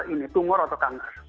ini tumor atau kamar